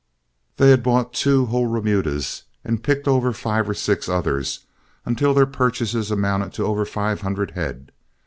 They had bought two whole remudas, and picked over five or six others until their purchases amounted to over five hundred head.